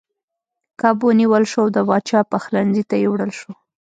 کب ونیول شو او د پاچا پخلنځي ته یووړل شو.